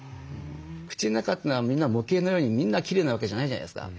口の中というのはみんな模型のようにみんなきれいなわけじゃないじゃないですか。